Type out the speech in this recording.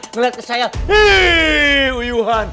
ngelihat ke saya